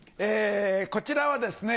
こちらはですね